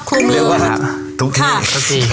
เรียกว่าทุกที่